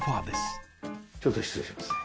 ちょっと失礼しますね。